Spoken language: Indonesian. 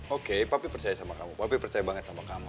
oke papi percaya sama kamu papi percaya banget sama kamu